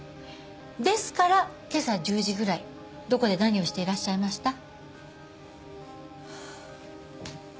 ですから今朝１０時ぐらいどこで何をしていらっしゃいました？